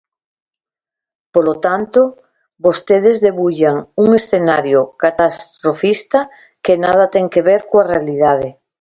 Polo tanto, vostedes debullan un escenario catastrofista que nada ten que ver coa realidade.